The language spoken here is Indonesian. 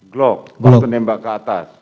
glock untuk menembak ke atas